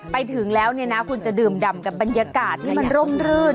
ไปถึงแล้วเนี่ยนะคุณจะดื่มดำกับบรรยากาศที่มันร่มรื่น